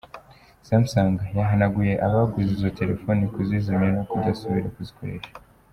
Samsung yahanuye abaguze izo telefone kuzizimya no kudasubira kuzikoresha.